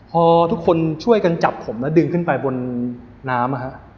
พอทุกคนช่วยกันจับผมแล้วดึงขึ้นไปบนน้ำ